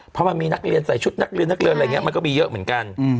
เพราะมันมีนักเรียนใส่ชุดนักเรียนนักเรียนอะไรอย่างนี้มันก็มีเยอะเหมือนกัน